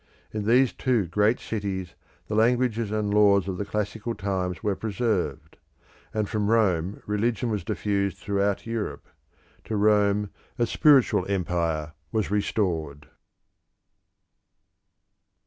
In these two great cities the languages and laws of the classical times were preserved; and from Rome religion was diffused throughout Europe; to Rome a spiritual empire was restored.